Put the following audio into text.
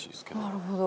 なるほど。